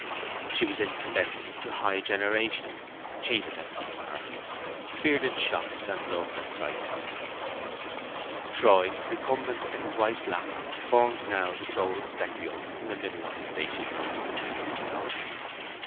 She was indispensable to high generation, hated at tea parties, feared in shops, and loved at crises. Troy recumbent in his wife's lap formed now the sole spectacle in the middle of the spacious room.